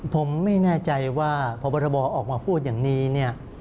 ผมไม่แน่ใจว่าพบทบออกมาพูดอย่างนี้